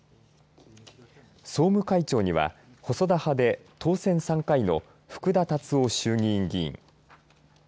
総務会長には細田派で当選３回の福田達夫衆議院議員。